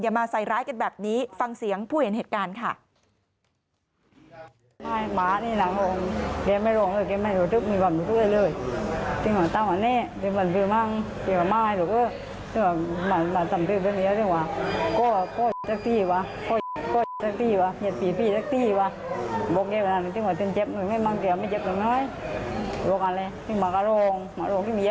มาใส่ร้ายกันแบบนี้ฟังเสียงผู้เห็นเหตุการณ์ค่ะ